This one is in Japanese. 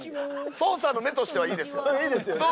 捜査の目としてはいいですよ。